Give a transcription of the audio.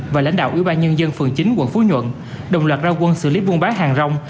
và lãnh đạo ủy ban nhân dân phường chín quận phú nhuận đồng loạt ra quân xử lý buôn bán hàng rong